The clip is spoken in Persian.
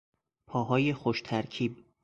پاهای خوش ترکیب